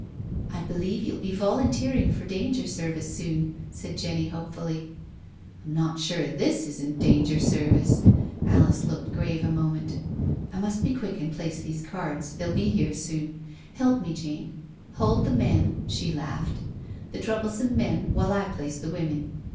" I believe you'll be volunteering for danger service soon," said Jenny hopefully. " I'm not sure tfus isn't danger service. ..." Alice looked grave a moment. " I must be quick and place these cards — they'll be here soon. Help me, Jane. Hold the men "— she laughed—" the trouble some meUj while I place the women."